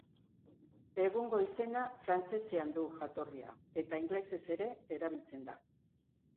Egungo izena frantsesean du jatorria eta ingelesez ere erabiltzen da.